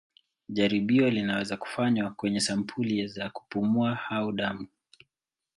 Jaribio linaweza kufanywa kwenye sampuli za kupumua au damu.